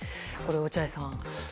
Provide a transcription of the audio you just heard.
これは、落合さん。